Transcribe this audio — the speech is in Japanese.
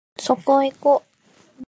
そこいこ